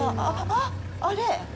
あっ、あれ？